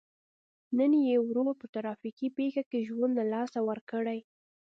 نن یې ورور په ترافیکي پېښه کې ژوند له لاسه ورکړی.